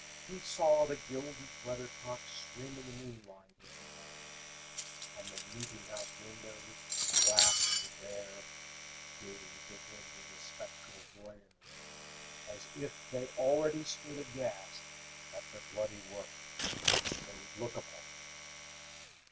He saw the gilded weathercock Swim in the moonlight as he passed, And the meeting house windows, blank and bare, Gaze at him with a spectral glare, As if they already stood aghast At the bloody work they would look upon.